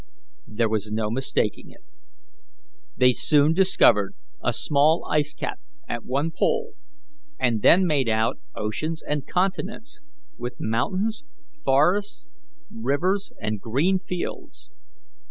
There was no mistaking it. They soon discovered a small ice cap at one pole, and then made out oceans and continents, with mountains, forests, rivers, and green fields.